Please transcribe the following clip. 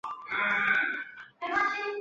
町内没有铁路。